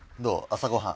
朝ごはん。